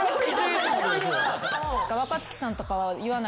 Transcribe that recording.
若槻さんとかは言わないですか？